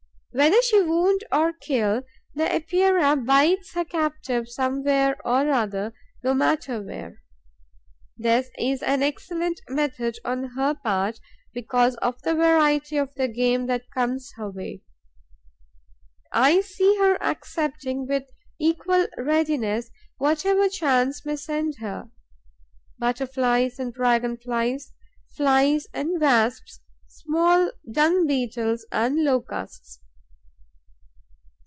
Whether she wound or kill, the Epeira bites her captive somewhere or other, no matter where. This is an excellent method on her part, because of the variety of the game that comes her way. I see her accepting with equal readiness whatever chance may send her: Butterflies and Dragon flies, Flies and Wasps, small Dung beetles and Locusts.